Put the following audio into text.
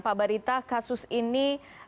pak barita kasus ini